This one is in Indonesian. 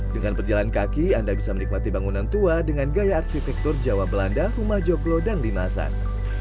dengan berjalan kaki anda bisa menikmati bangunan tua dengan gaya arsitektur jawa belanda rumah joglo dan limasan